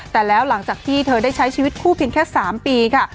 แต่แล้วหลังจากที่เธอได้ใช้ชีวิตคู่เพียงแค่๓ปีค่ะ